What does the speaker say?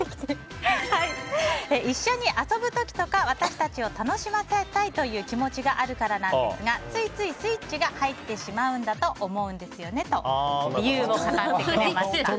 一緒に遊ぶ時とか私たちを楽しませたいという気持ちがあるからなんですがついついスイッチが入ってしまうんだと思うんですよねと理由を語ってくれました。